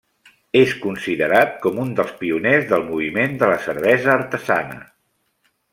És considerat com un dels pioners del moviment de la cervesa artesana.